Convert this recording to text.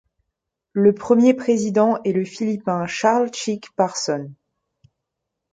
Le premier président est le philippin Charles Chick Parsons.